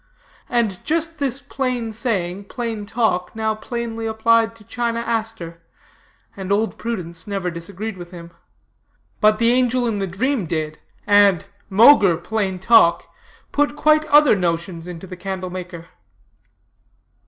And just this plain saying Plain Talk now plainly applied to China Aster, and Old Prudence never disagreed with him. But the angel in the dream did, and, maugre Plain Talk, put quite other notions into the candle maker.